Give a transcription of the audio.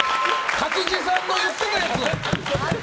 勝地さんの言ってたやつ！